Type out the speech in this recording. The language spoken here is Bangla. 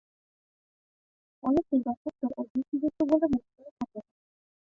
অনেকেই যথার্থ ও যুক্তিযুক্ত বলে মনে করে থাকেন।